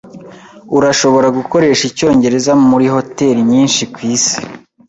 Urashobora gukoresha icyongereza muri hoteri nyinshi kwisi.